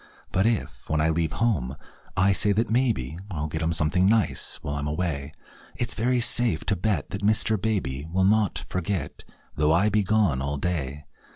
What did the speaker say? But if, when I leave home, I say that maybe I'll get him something nice while I'm away, It's very safe to bet that Mr. Baby Will not forget, though I be gone all day.